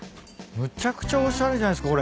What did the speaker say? むちゃくちゃおしゃれじゃないっすかこれ。